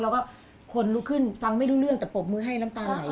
แล้วก็คนลุกขึ้นฟังไม่รู้เรื่องแต่ปรบมือให้น้ำตาไหล